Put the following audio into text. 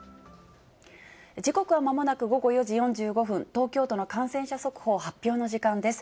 時刻はまもなく午後４時４５分、東京都の感染者速報発表の時間です。